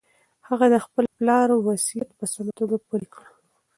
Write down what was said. هغه د خپل پلار وصیت په سمه توګه پلي کړ.